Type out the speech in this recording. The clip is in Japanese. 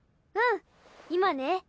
うん今ね